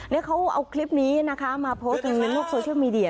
นี่เขาเอาคลิปนี้นะคะมาโพสต์กันในโลกโซเชียลมีเดีย